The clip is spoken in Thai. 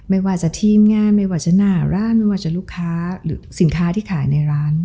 ไม่ว่าจะทีมงานไม่ว่าจะหน้าร้านไม่ว่าจะลูกค้าหรือสินค้าที่ขายในร้าน